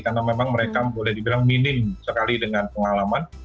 karena memang mereka boleh dibilang minim sekali dengan pengalaman